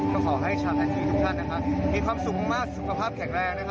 ก็ขอให้ชาวนาธีทุกท่านมีความสุขมากสุขภาพแข็งแรง